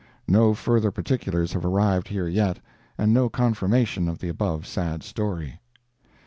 No further particulars have arrived here yet, and no confirmation of the above sad story.